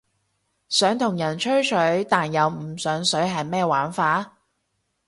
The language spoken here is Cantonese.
想同人吹水但又唔上水係咩玩法？